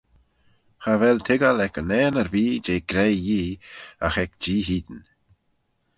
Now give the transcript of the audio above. Cha vel toiggal ec unnane erbee jeh graih Yee agh ec Jee hene.